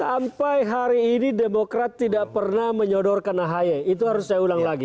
sampai hari ini demokrat tidak pernah menyodorkan ahy itu harus saya ulang lagi